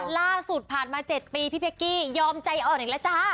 ล่าสุดผ่านมา๗ปีพี่เป๊กกี้ยอมใจอ่อนอีกแล้วจ้า